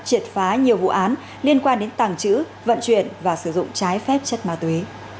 triệt phá nhiều vụ án liên quan đến tàng trữ vận chuyển và sử dụng trái phép chất ma túy